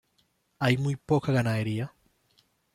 Hay muy poca ganadería.